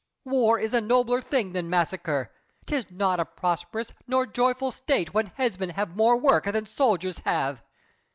War is a nobler thing than massacre! 'Tis not a prosperous nor joyful State When headsmen have more work than soldiers have!